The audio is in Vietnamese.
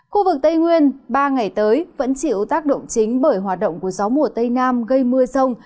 khu vực tây nguyên ba ngày tới vẫn chịu tác động chính bởi hoạt động của gió mùa tây nam gây mưa rông